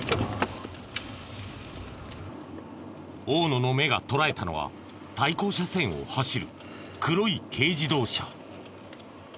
大野の目が捉えたのは対向車線を走る黒い軽自動車。